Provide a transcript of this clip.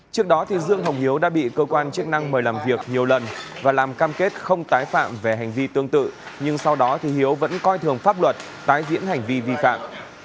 trước đó dương hồng hiếu đã bị cơ quan chức năng mời làm việc nhiều lần và làm cam kết không tái phạm về hành vi tương tự nhưng sau đó hiếu vẫn coi thường pháp luật tái diễn hành vi vi phạm